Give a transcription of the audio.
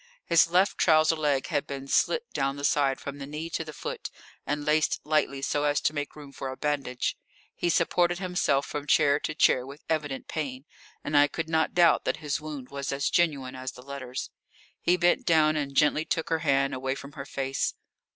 His left trouser leg had been slit down the side from the knee to the foot and laced lightly so as to make room for a bandage. He supported himself from chair to chair with evident pain, and I could not doubt that his wound was as genuine as the letters. He bent down and gently took her hand away from her face.